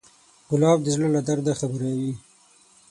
ګلاب د زړه له درده خبروي.